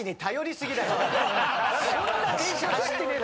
そんな電車走ってねえ。